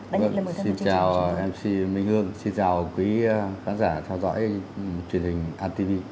xin chào mc minh hương xin chào quý khán giả theo dõi truyền hình antv